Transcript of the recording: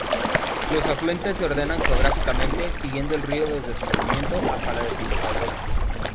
Los afluentes se ordenan geográficamente, siguiendo el río desde su nacimiento hasta la desembocadura.